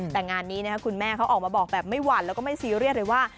แต่งานนี้คุณแม่เขาออกมาบอกแบบไม่หวั่นแล้วก็ไม่ซีเรียสเลยว่า